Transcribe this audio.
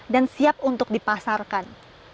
dan siap untuk dipasarkan